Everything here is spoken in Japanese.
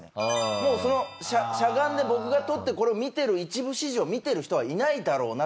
もうそのしゃがんで僕が取ってこれを見てる一部始終を見てる人はいないだろうなって判断して。